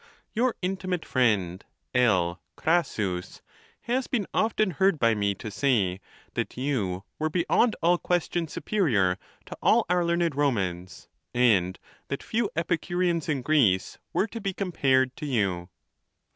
Your intimate friend, L. Crassus, has been of ten heard by me to say that you were beyond all question superior to all our learned Romans ; and that few Epicu reans in Greece were to be compared to you.